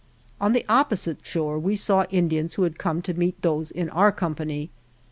25 On the opposite shore we saw Indians who had come to meet those in our com pany.